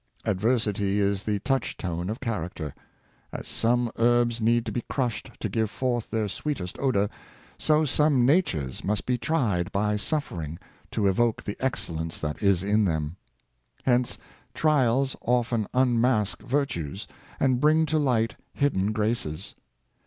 Adversity is the touch stone of character. As some herbs need to be crushed to give forth their sweetest odor, so some natures must be tried by suf 628 Is Happiness an Illusion? fering to evoke the excellence that is in them. Hence trials often unmask virtues, and bring to light hidden graces.